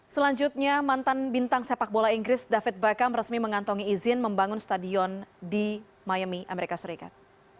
selanjutnya mantan bintang sepak bola inggris david beckham resmi mengantongi izin membangun stadion di miami amerika serikat